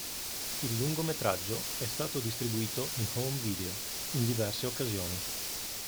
Il lungometraggio è stato distribuito in home video in diverse occasioni.